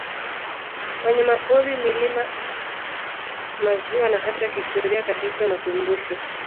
Wanyamapori milima maziwa na hata historia katika makumbusho